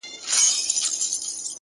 امید انسان ژوندی ساتي,